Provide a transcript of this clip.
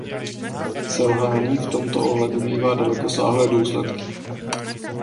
Selhání v tomto ohledu mívá dalekosáhlé důsledky.